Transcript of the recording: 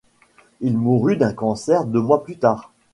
Il mourut d’un cancer deux mois plus tard.